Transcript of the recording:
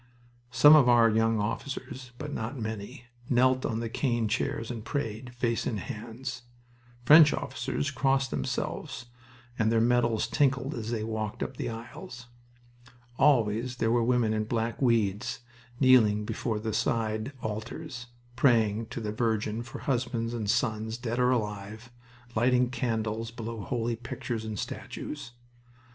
Some of our young officers, but not many, knelt on the cane chairs and prayed, face in hands. French officers crossed themselves and their medals tinkled as they walked up the aisles. Always there were women in black weeds kneeling before the side altars, praying to the Virgin for husbands and sons, dead or alive, lighting candles below holy pictures and statues.